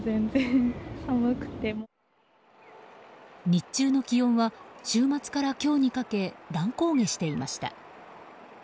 日中の気温は週末から今日にかけ乱高下していました。